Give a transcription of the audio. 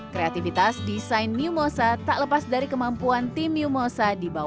kreativitas desain miu mosa tak lepas dari kemampuan tim miu mosa